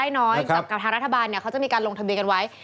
ผู้ลงทะเบียนรายได้น้อยกับทางรัฐบาลเขาจะมีการลงทะเบียนกันไว้